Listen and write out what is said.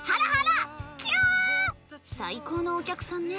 最高のお客さんね。